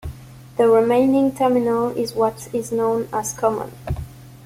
The remaining terminal is what is known as "common".